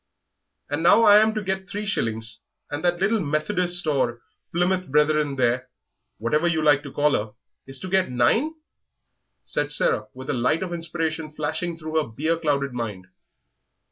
"And now I am to get three shillings, and that little Methodist or Plymouth Brethren there, whatever you like to call her, is to get nine!" said Sarah, with a light of inspiration flashing through her beer clouded mind.